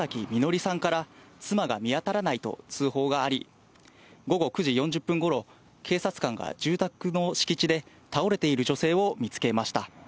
彌憲さんから、妻が見当たらないと通報があり、午後９時４０分ごろ、警察官が住宅の敷地で倒れている女性を見つけました。